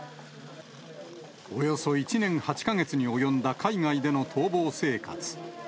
およそ１年８か月に及んだ海外での逃亡生活。